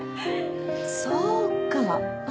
そうか！